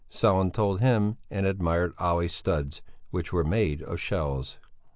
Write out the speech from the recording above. Sellén told him, and admired Olle's studs, which were made of shells.